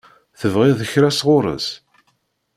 Tebɣiḍ kra sɣur-s?